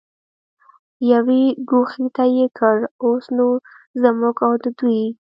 یوې ګوښې ته یې کړ، اوس نو زموږ او د دوی.